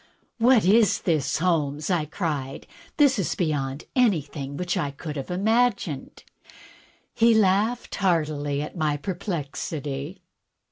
" What is this. Holmes? " I cried. "This is beyond anything which I could have imagined." He laughed heartily at my perplexity.